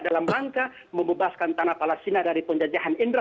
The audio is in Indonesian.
dalam rangka membebaskan tanah palestina dari penjajahan indra